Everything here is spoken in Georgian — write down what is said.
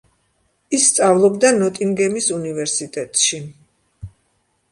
ის სწავლობდა ნოტინგემის უნივერსიტეტში.